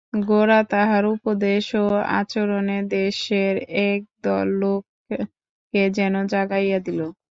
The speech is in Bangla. গোরা তাহার উপদেশ ও আচরণে দেশের এক দল লোককে যেন জাগাইয়া দিল।